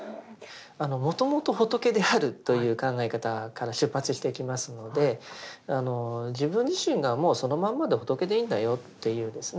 「もともと仏である」という考え方から出発していきますので自分自身がもうそのまんまで仏でいいんだよっていうですね